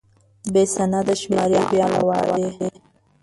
بې سنده شمارې، بې عمله وعدې.